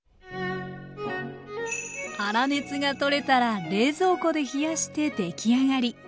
粗熱がとれたら冷蔵庫で冷やして出来上がり。